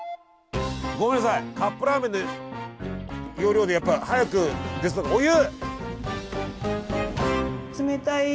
ごめんなさいカップラーメンの要領でやっぱり早くお湯！